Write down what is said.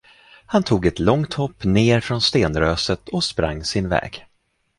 Han tog ett långt hopp ner från stenröset och sprang sin väg.